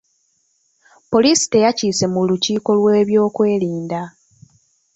Poliisi teyakiise mu lukiiko lw'ebyokwerinda.